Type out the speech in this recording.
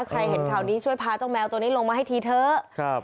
ใครเห็นข่าวนี้ช่วยพาเจ้าแมวตัวนี้ลงมาให้ทีเถอะ